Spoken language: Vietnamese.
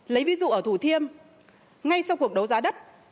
lấy ví dụ ở thủ thiêm ngay sau cuộc đấu giá đất